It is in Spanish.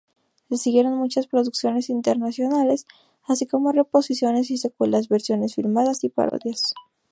Le siguieron muchas producciones internacionales, así como reposiciones, y secuelas, versiones filmadas y parodias.